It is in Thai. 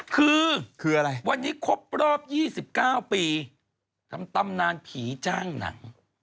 คือคืออะไรวันนี้ครบรอบ๒๙ปีทำตำนานผีจ้างหนัง